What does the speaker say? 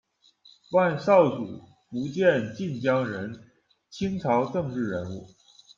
万绍祖，福建晋江人，清朝政治人物。